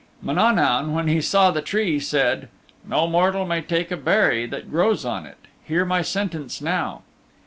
Mananaun, when he saw the tree said, "No mortal may take a berry that grows on it. Hear my sentence now.